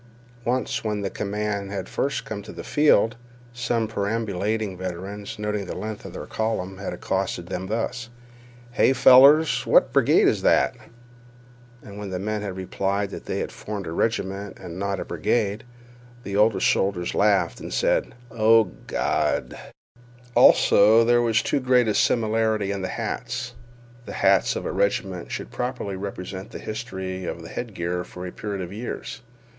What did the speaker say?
Once, when the command had first come to the field, some perambulating veterans, noting the length of their column, had accosted them thus: "Hey, fellers, what brigade is that?" And when the men had replied that they formed a regiment and not a brigade, the older soldiers had laughed, and said, "O Gawd!" Also, there was too great a similarity in the hats. The hats of a regiment should properly represent the history of headgear for a period of years.